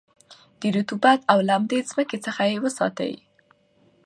د رطوبت او لمدې مځکې څخه یې وساتی.